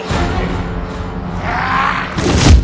sudah enggak ada ngos